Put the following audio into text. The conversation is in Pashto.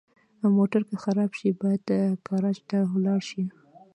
موټر که خراب شي، باید ګراج ته ولاړ شي.